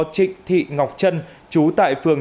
trịnh thị ngọc trân chú tại phường